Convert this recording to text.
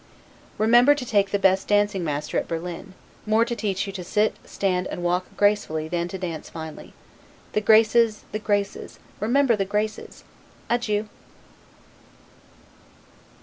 Remember to take the best dancing master at Berlin, more to teach you to sit, stand, and walk gracefully, than to dance finely. The Graces, the Graces; remember the Graces! Adieu!